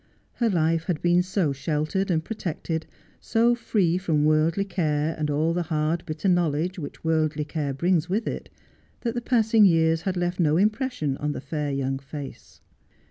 Her life had been so sheltered and pro tected, so free from worldly care and all the hard bitter knowledge which worldly care brings with it, that the passing years had left no impression on the fair young face.